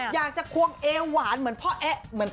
อยากจะควงเอหวานเหมือนพ่อเอ๊ะเหมือนพ่อ